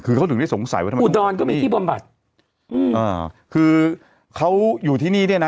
คือเขาถึงได้สงสัยว่าทำไมอุดรก็มีที่บำบัดอืมอ่าคือเขาอยู่ที่นี่เนี่ยนะ